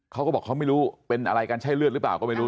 เขาก็บอกเขาไม่รู้เป็นอะไรกันใช่เลือดหรือเปล่าก็ไม่รู้